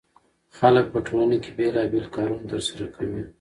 خلک په ټولنه کې بېلابېل کارونه ترسره کوي.